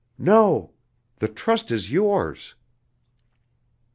"No. The trust is yours."